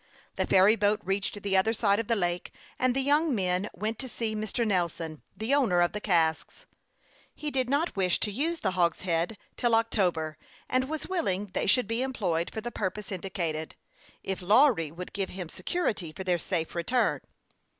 The ferry boat reached the other side of the lake,, and the young men went to see Mr. Xelson, the owner of the casks. He did not wish to use the hogsheads till October, and was willing they should 106 HASTE AND WASTE, OR be employed for the purpose indicated, if Lawry would give him security for their safe return.